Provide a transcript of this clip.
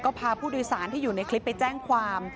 ก็พาผู้โดยสารที่อยู่ในคลิปไปแจ้งความ